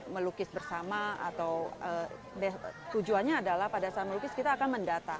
melukis bersama atau tujuannya adalah pada saat melukis kita akan mendata